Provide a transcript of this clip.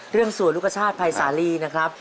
เรื่องสวนลูกคชาติภัยสาลีนะครับ